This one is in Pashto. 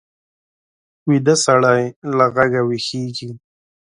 ویده سړی له غږه ویښېږي